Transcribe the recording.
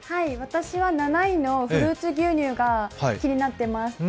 私は７位のフルーツ牛乳が気になっています。